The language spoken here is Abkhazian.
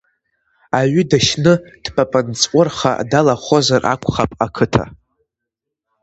Аҩы дашьны дпапанҵҟәырха далахозар акәхап ақыҭа.